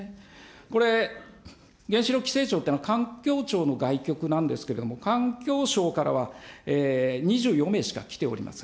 これ、原子力規制庁というのは、環境庁の外局なんですけれども、環境省からは２４名しか来ておりません。